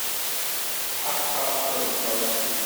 Tḥeqqeɣ ad trebḥed.